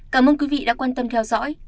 cảm ơn quý vị đã quan tâm theo dõi